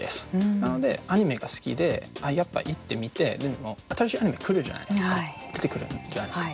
なのでアニメが好きでやっぱ行ってみて新しいアニメ来るじゃないですか出てくるじゃないですか。